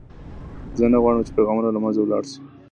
زه نه غواړم چې پیغامونه له منځه ولاړ شي.